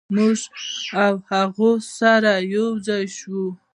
موږ او هغوی سره یو ځای شوو.